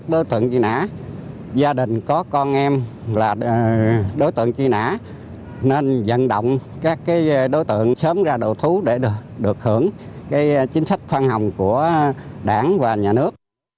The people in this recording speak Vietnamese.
đối tượng truy nã gia đình có con em là đối tượng truy nã nên dẫn động các đối tượng sớm ra đầu thú để được hưởng chính sách khoan hồng của đảng và nhà nước